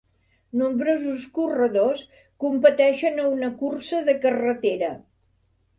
Nombrosos corredors competeixen a una cursa de carretera.